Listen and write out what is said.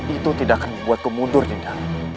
itu tidak akan membuatku mundur dinda